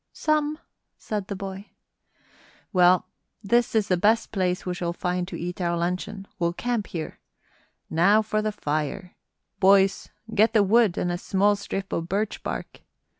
"Some," said the boy. "Well, this is the best place we shall find to eat our luncheon. We'll camp here. Now for the fire! Boys, get the wood and a small strip of birch bark!